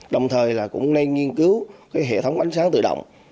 đồng thời là cũng nên nghiên cứu hệ thống ánh sáng tự động